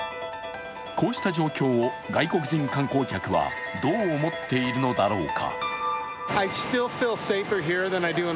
こうした状況を外国人観光客はどう思っているのだろうか。